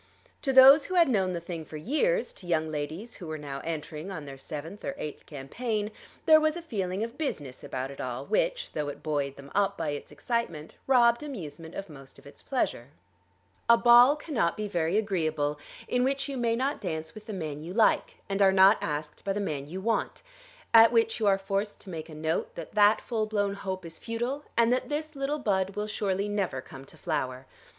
To those who had known the thing for years, to young ladies who were now entering on their seventh or eighth campaign, there was a feeling of business about it all which, though it buoyed them up by its excitement, robbed amusement of most of its pleasure. A ball cannot be very agreeable in which you may not dance with the man you like and are not asked by the man you want; at which you are forced to make a note that that full blown hope is futile, and that this little bud will surely never come to flower.